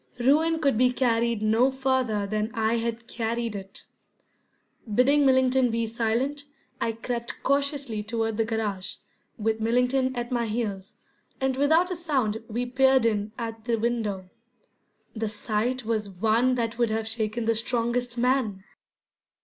Ruin could be carried no farther than I had carried it. Bidding Millington be silent, I crept cautiously toward the garage, with Millington at my heels, and without a sound we peered in at the window. The sight was one that would have shaken the strongest man.